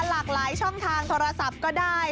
หลากหลายช่องทางโทรศัพท์ก็ได้